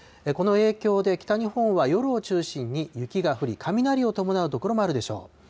この影響で、北日本は夜を中心に雪が降り、雷を伴う所もあるでしょう。